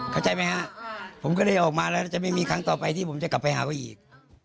เข้าใจไหมฮะผมก็เลยออกมาแล้วจะไม่มีครั้งต่อไปที่ผมจะกลับไปหาเขาอีก